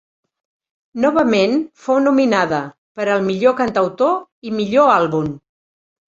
Novament fou nominada per al millor cantautor i millor àlbum.